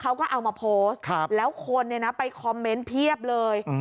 เขาก็เอามาโพสต์แล้วคนไปคอมเมนต์เพียบเลย